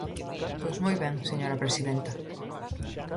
Pois moi ben, señora presidenta.